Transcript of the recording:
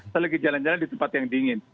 saya lagi jalan jalan di tempat yang dingin